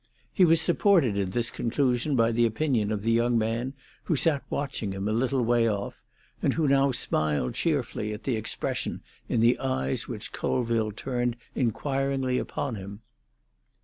He was supported in this conclusion by the opinion of the young man who sat watching him a little way off, and who now smiled cheerfully at the expression in the eyes which Colville turned inquiringly upon him.